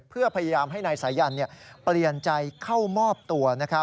เพื่อพยายามให้นายสายันเปลี่ยนใจเข้ามอบตัว